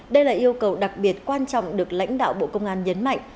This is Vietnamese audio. đây là yêu cầu đặc biệt quan trọng được lãnh đạo bộ công an nhấn mạnh